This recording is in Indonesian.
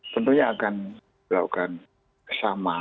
tentunya akan dilakukan sama